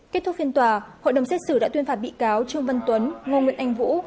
kết thúc phiên tòa hội đồng xét xử đã tuyên phạt bị cáo trương văn tuấn ngô nguyễn anh vũ